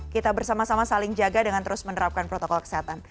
kita bersama sama saling jaga dengan terus menerapkan protokol kesehatan